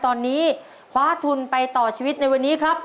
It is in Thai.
ตอนนี้คว้าทุนไปต่อชีวิตในวันนี้ครับ